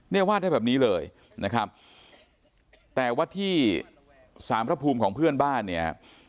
วาดได้แบบนี้เลยนะครับแต่ว่าที่สารพระภูมิของเพื่อนบ้านเนี่ย